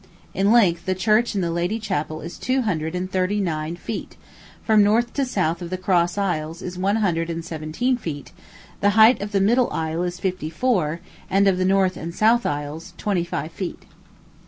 In length, the church and the Lady Chapel is two hundred and thirty nine feet; from north to south of the cross aisles is one hundred and seventeen feet; the height of the middle aisle is fifty four, and of the north and south aisles, twenty five feet.